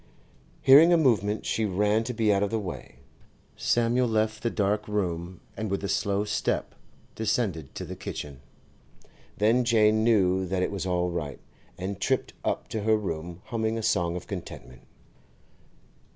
Hearing a movement, she ran to be out of the way. Samuel left the dark room, and with slow step descended to the kitchen. Then Jane knew that it was all right, and tripped up to her room humming a song of contentment.